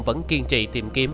vẫn kiên trì tìm kiếm